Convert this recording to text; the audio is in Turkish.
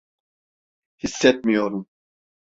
Hissetmiyorum.